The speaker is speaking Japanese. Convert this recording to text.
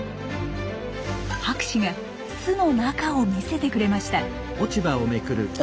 博士が巣の中を見せてくれました。